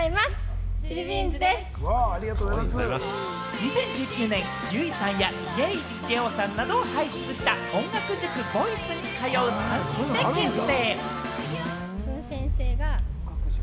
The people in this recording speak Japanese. ２０１９年、ＹＵＩさんや、家入レオさんなどを輩出した、音楽塾ヴォイスに通う３人で結成。